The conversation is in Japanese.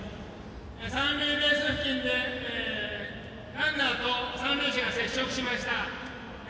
三塁ベース付近でランナーと三塁手が接触しました。